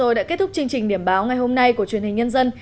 rồi đã kết thúc chương trình điểm báo ngày hôm nay của truyền hình nhân dân